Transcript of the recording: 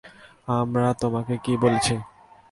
আমরা তোমাকে কি বলেছি!